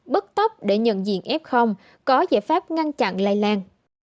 bức tốc để nhận diện f có giải pháp ngăn chặn lây lan